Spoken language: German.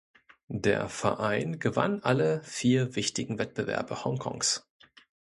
Der Verein gewann alle vier wichtigen Wettbewerbe Hongkongs.